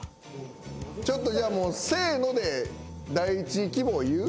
ちょっとじゃあもうせので第１希望言う？